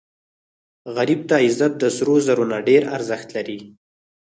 غریب ته عزت د سرو زرو نه ډېر ارزښت لري